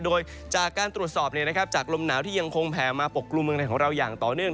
โดยจากการตรวจสอบจากลมหนาวที่ยังคงแผ่มาปกกลุ่มเมืองไทยของเราอย่างต่อเนื่อง